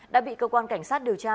đã bị cơ quan cảnh sát điều tra